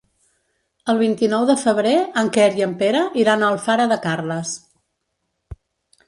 El vint-i-nou de febrer en Quer i en Pere iran a Alfara de Carles.